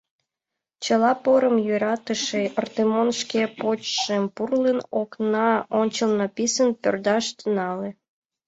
Чыла порым йӧратыше Артемон, шке почшым пурлын, окна ончылно писын пӧрдаш тӱҥале.